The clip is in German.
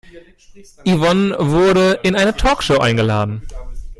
Yvonne wurde in eine Talkshow eingeladen.